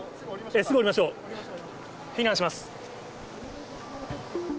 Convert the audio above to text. すぐ下りましょう、避難しま